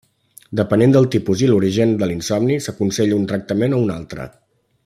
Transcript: Depenent del tipus i l'origen de l'insomni, s'aconsella un tractament o un altre.